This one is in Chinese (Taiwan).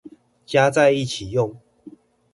加在一起用